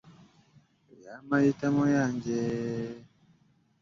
Omubala gw’aboomusu mu kusooka gwali guvuga nti, “Amannyo g’omusu gagulabisa abassi”.